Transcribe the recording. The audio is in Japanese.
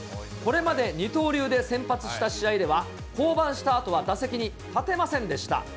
これまで二刀流で先発した試合では、降板したあとは打席に立てませんでした。